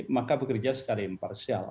maka bekerja secara imparsial